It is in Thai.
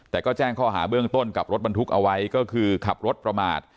แต่ก็แจ้งข้อหาเบื้องต้นกับรถบรรทุกเอาไว้ก็คือขับรถประมาท